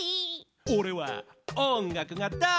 おれはおんがくがだいすき！